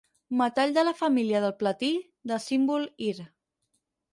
Metall de la família del platí, de símbol Ir.